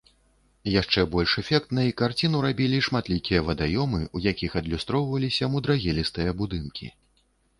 Яшчэ больш эфектнай карціну рабілі шматлікія вадаёмы, у якіх адлюстроўваліся мудрагелістыя будынкі.